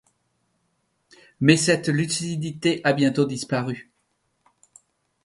Mais cette lucidité a bientôt disparu.